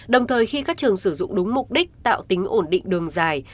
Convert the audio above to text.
đồng thời khi các trường sử dụng đúng mục đích tạo tính ổn định đường dài